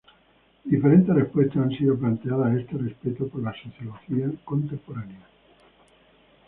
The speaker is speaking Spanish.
Diferentes respuestas han sido planteadas a este respecto por la sociología contemporánea.